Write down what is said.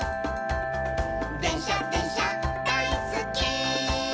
「でんしゃでんしゃだいすっき」